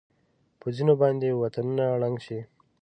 په ځېنو باندې وطنونه ړنګ شي.